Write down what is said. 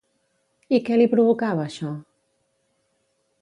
I què li provocava això?